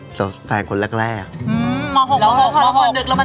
อื้มมอหกมอหกเหมือนดึกแล้วมันเศร้า